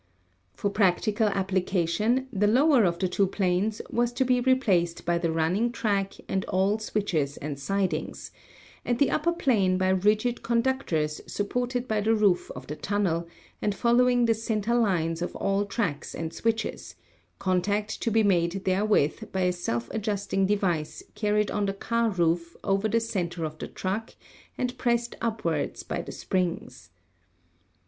For practical application the lower of the two planes was to be replaced by the running track and all switches and sidings, and the upper plane by rigid conductors supported by the roof of the tunnel, and following the center lines of all tracks and switches, contact to be made therewith by a self adjusting device carried on the car roof over the center of the truck and pressed upward by springs.